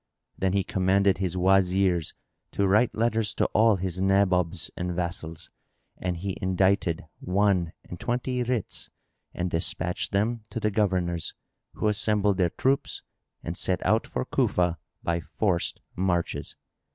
Then he commanded his Wazirs to write letters to all his Nabobs and vassals, and he indited one and twenty writs and despatched them to the governors, who assembled their troops and set out for Cufa by forced marches.